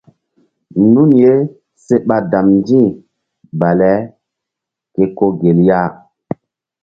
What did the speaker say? Nun ye se ɓa damndi̧ bale ke ko gel ya.